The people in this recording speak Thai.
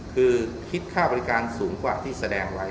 คือคิดค่าบริการสูงกว่าที่แสดงไว้